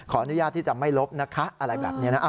อนุญาตที่จะไม่ลบนะคะอะไรแบบนี้นะ